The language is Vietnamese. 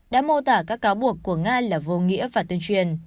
đã mô tả các cáo buộc của nga là vô nghĩa và tuyên truyền